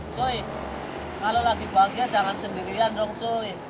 coy kalau lagi bahagia jangan sendirian dong coy